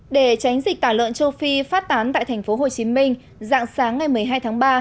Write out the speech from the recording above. để tránh dịch tả lợn châu phi phát tán tại tp hcm dạng sáng ngày một mươi hai tháng ba